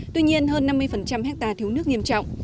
tuy nhiên hơn năm mươi hectare thiếu nước nghiêm trọng